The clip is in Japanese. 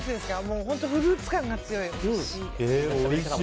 本当にフルーツ感が強い、おいしい。